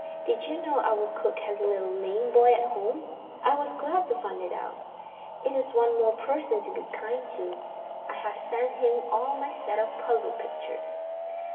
"Did you know our cook has a little lame boy at home? I was glad to find it out. It is one more person to be kind to. I have sent him all my set of puzzle pictures.